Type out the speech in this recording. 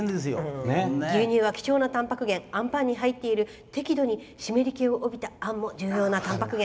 牛乳は貴重なたんぱく源あんパンに入っている適度に湿り気を帯びているあんも重要なたんぱく源。